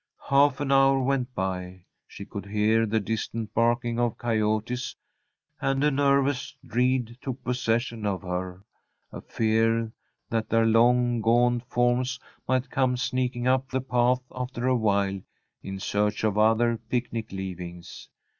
Half an hour went by. She could hear the distant barking of coyotes, and a nervous dread took possession of her, a fear that their long, gaunt forms might come sneaking up the path after awhile in search of other picnic leavings.